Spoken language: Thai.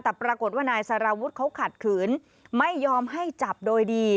แต่ปรากฏว่านายสารวุฒิเขาขัดขืนไม่ยอมให้จับโดยดี